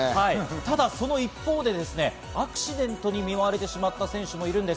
ただその一方でアクシデントに見舞われてしまった選手もいるんです。